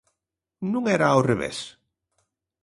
Non era ao revés?